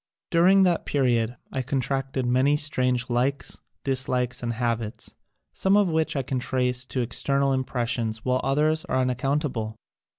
During that period I contracted many strange likes, dislikes and habits, some of which I can trace to external impressions while others are unaccountable.